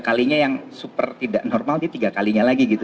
tiga kali nya yang super tidak normal dia tiga kali nya lagi gitu